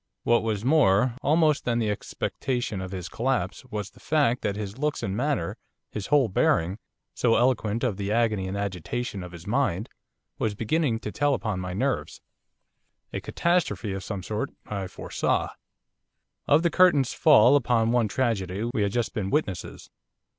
What was more almost than the expectation of his collapse was the fact that his looks and manner, his whole bearing, so eloquent of the agony and agitation of his mind, was beginning to tell upon my nerves. A catastrophe of some sort I foresaw. Of the curtain's fall upon one tragedy we had just been witnesses.